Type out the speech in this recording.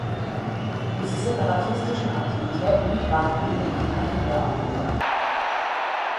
Diese separatistischen Aktivitäten brachten ihn in Kontakt mit der Abwehr.